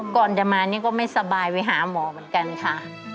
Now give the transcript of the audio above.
ก่อนจะมานี่ก็ไม่สบายไปหาหมอเหมือนกันค่ะ